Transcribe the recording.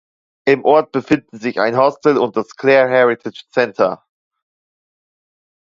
Im Ort befinden sich ein Hostel und das Clare Heritage Center.